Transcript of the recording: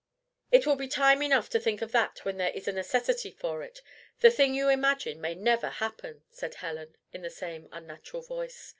"It will be time enough to think of that when there is a necessity for it. The thing you imagine may never happen," said Helen, in the same unnatural voice.